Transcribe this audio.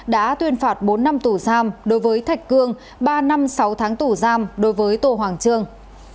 đã tuyên phạt bốn năm tù giam đối với thạch cương ba năm sáu tháng tù giam đối với tô hoàng trương